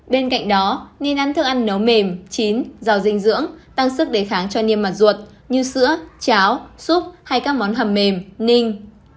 bên cạnh đó nên ăn thức ăn nấu mềm chín giàu dinh dưỡng tăng sức đề kháng cho niêm mặt ruột như sữa cháo súp hay các món hầm mềm ninh